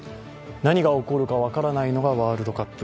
何が起こるか分からないのがワールドカップ。